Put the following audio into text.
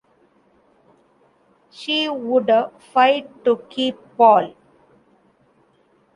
She would fight to keep Paul.